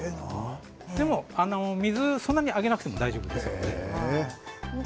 でも水はそんなにあげなくても大丈夫です。